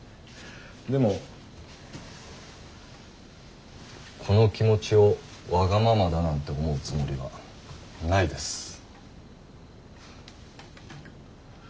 でもこの気持ちをワガママだなんて思うつもりはないです。